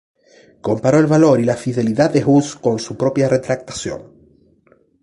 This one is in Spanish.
Comparó el valor y la fidelidad de Hus con su propia retractación.